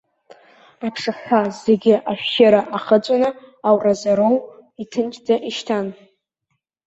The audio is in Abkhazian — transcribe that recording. Аԥшаҳәа зегьы ашәшьыра ахыҵәаны ауразоуроу иҭынчӡа ишьҭан.